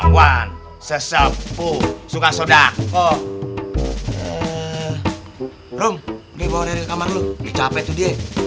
waduh kok bikin ribut lagi